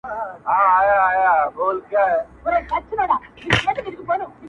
چي وطن یې کړ خالي له غلیمانو!.